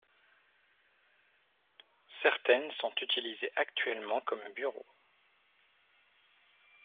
Certaines sont utilisées actuellement comme bureau.